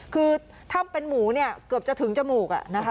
คือถ้าเป็นหมูเนี่ยเกือบจะถึงจมูกอะนะคะ